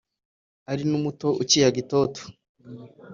ari n’umuto ukiyaga itoto